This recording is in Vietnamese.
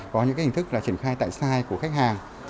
có những hình thức triển khai tại site của khách hàng